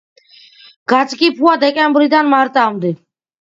გაძგიფვა დეკემბრიდან მარტამდე.